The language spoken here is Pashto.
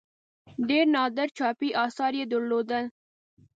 ډېر نادر چاپي آثار یې درلودل.